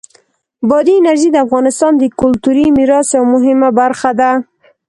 بادي انرژي د افغانستان د کلتوری میراث یوه مهمه برخه ده.